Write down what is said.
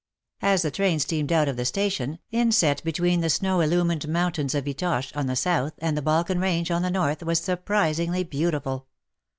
As the train steamed out of the station, the view of Sofia, inset between the snow illumined mountains of Vitosch on the south, and the Balkan range on the north, was surprisingly beautiful.